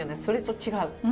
それと違う。